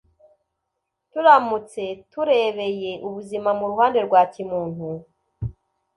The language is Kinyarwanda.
Turamutse turebeye ubuzima mu ruhande rwa kimuntu,